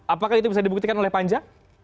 apakah itu bisa dibuktikan oleh panja